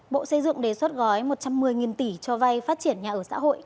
bộ xây dựng đề xuất gói một trăm một mươi tỷ cho vay phát triển nhà ở xã hội